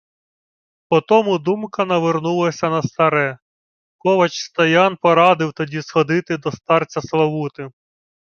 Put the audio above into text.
По тому думка навернулася на старе. Ковач Стоян порадив тоді сходити до старця Славути.